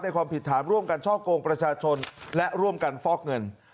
ความผิดฐานร่วมกันช่อกงประชาชนและร่วมกันฟอกเงิน